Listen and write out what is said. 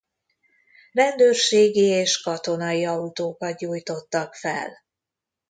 Rendőrségi és katonai autókat gyújtottak fel.